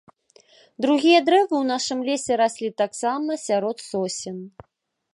Другія дрэвы ў нашым лесе раслі таксама сярод сосен.